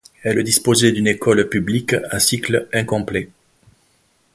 Elle disposait d'une école publique à cycle incomplet.